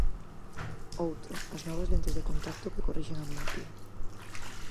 Outro: as novas lentes de contacto que corrixen a miopía.